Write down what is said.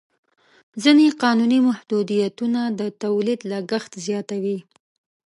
ځینې قانوني محدودیتونه د تولید لګښت زیاتوي.